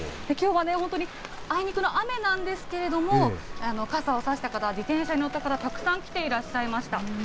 きょうは本当にあいにくの雨なんですけれども、傘を差した方、自転車に乗った方、たくさん来ていらっしゃいました。